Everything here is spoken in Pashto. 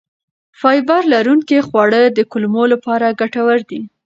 فایبر لرونکي خواړه د کولمو لپاره ګټور دي.